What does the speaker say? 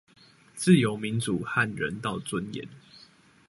自由民主和人道尊嚴